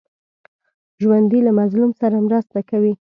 ژوندي له مظلوم سره مرسته کوي